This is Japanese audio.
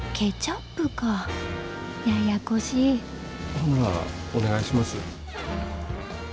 ほんならお願いします。